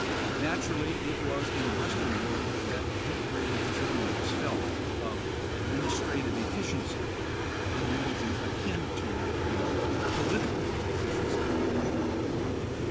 Naturally it was in the Western world that the deep religious need was felt of administrative efficiency in religion akin to the political efficiency of the Empire.